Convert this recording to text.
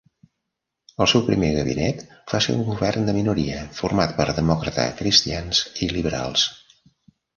El seu primer gabinet va ser un govern de minoria format per democratacristians i liberals.